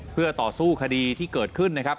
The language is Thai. เพื่อต่อสู้คดีที่เกิดขึ้นนะครับ